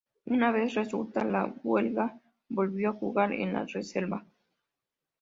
Una vez resuelta la huelga, volvió a jugar en la reserva.